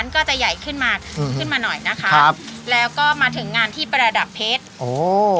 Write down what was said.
ก็จะใหญ่ขึ้นมาขึ้นมาหน่อยนะคะครับแล้วก็มาถึงงานที่ประดับเพชรโอ้